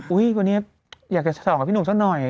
อุ๋ยวันนี้อยากจะสอบกับพี่หนุ่มซะหน่อย